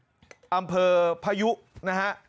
อำเฟอร์พายุนะฮะเนื้อปะบาเนี่ยโค้นทับวัวตายไปตัวนึงเลยครับคุณผู้ชม